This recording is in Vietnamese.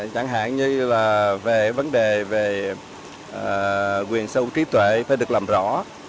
chẳng hạn như là về vấn đề về quyền sâu trí tuệ phải được làm rõ